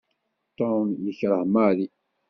Tom yekreh Mary.